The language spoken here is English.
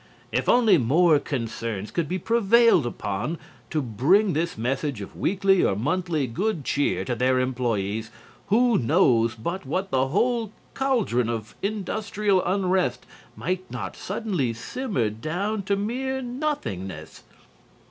If only more concerns could be prevailed upon to bring this message of weekly or monthly good cheer to their employees, who knows but what the whole caldron of industrial unrest might not suddenly simmer down to mere nothingness?